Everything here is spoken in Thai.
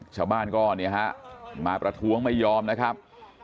ชาวบ้านก็เนี่ยฮะมาประท้วงไม่ยอมนะครับ